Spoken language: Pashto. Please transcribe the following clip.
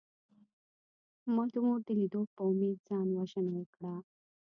ما د مور د لیدو په امید ځان وژنه ونکړه